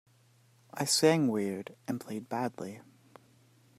I sang weird and I played badly.